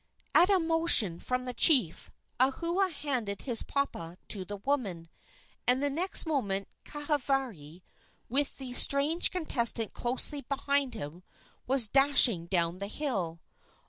At a motion from the chief, Ahua handed his papa to the woman, and the next moment Kahavari, with the strange contestant closely behind him, was dashing down the hill.